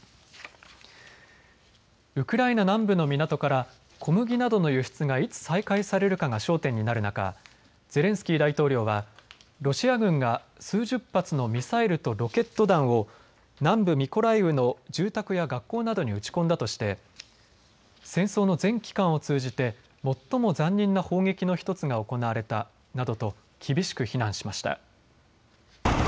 ウクライナ南部の港から小麦などの輸出がいつ再開されるかが焦点になる中、ゼレンスキー大統領はロシア軍が数十発のミサイルとロケット弾を南部ミコライウの住宅や学校などに撃ち込んだとして戦争の全期間を通じて最も残忍な砲撃の１つが行われたなどと厳しく非難しました。